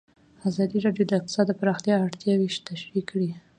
ازادي راډیو د اقتصاد د پراختیا اړتیاوې تشریح کړي.